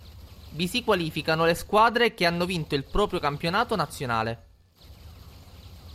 Vi si qualificano le squadre che hanno vinto il proprio campionato nazionale.